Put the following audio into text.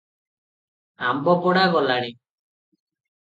ଆମ୍ବପଡା ଗଲାଣି ।